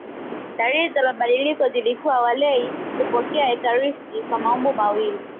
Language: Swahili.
Dalili za mabadiliko zilikuwa walei kupokea ekaristi kwa maumbo mawili